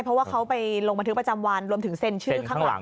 เพราะว่าเขาไปลงบันทึกประจำวันรวมถึงเซ็นชื่อข้างหลัง